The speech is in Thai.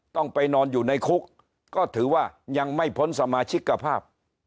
ต้องไปนอนอยู่ในคุกก็ถือว่ายังไม่พ้นสมาชิกภาพ